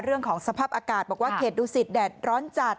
เรื่องของสภาพอากาศบอกว่าเขตดูสิตแดดร้อนจัด